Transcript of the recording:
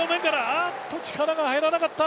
あっと力が入らなかった。